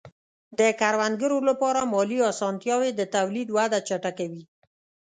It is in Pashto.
د کروندګرو لپاره مالي آسانتیاوې د تولید وده چټکوي.